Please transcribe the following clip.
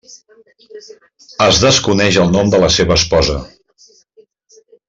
Es desconeix el nom de la seva esposa.